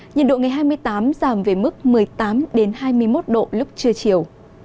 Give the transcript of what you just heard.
nhiệt độ ngày hai mươi tám giảm về mức một mươi tám hai mươi một độ lúc trưa chiều